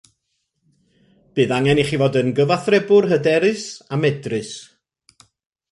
Bydd angen i chi fod yn gyfathrebwr hyderus a medrus